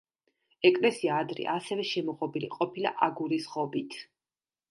ეკლესია ადრე ასევე შემოღობილი ყოფილა აგურის ღობით.